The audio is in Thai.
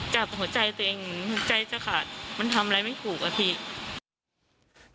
จับหัวใจตัวเองเหมือนใจจะขาดมันทำอะไรไม่ถูกอะพี่